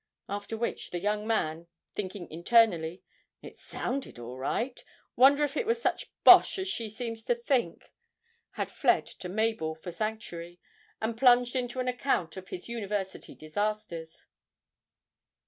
After which the young man, thinking internally 'it sounded all right, wonder if it was such bosh as she seems to think,' had fled to Mabel for sanctuary and plunged into an account of his University disasters.